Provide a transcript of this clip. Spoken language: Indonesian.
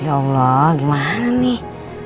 ya allah gimana nih